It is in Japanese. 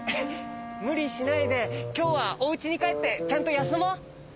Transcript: むりしないできょうはおうちにかえってちゃんとやすもう！